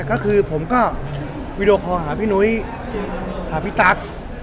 ก็คือผมก็วีดีโอคอลหาพี่นุ้ยหาพี่ตั๊ก